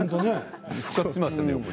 復活しましたね。